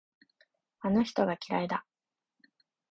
あの人が嫌いだ。